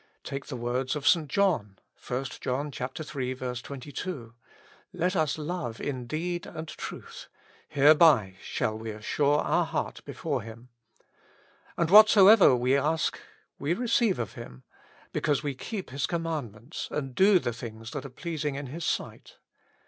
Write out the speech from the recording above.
Take the words of St. John ( i John iii. 22) : "Let us love in deed and truth; hereby shall we assure our heart before Him. And whatsoever we ask we receive of Him, because we keep His com mandments, and do the things that are pleasing in His sight."